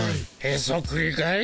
へそくりかい？